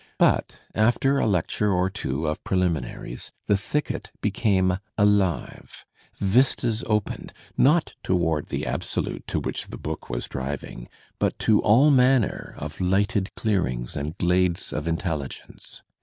But after a lecture or two of preliminaries the thicket became alive, vistas opened, not toward the Absolute to which the book was driving, but to all manner of lighted clearings and glades of intelligence.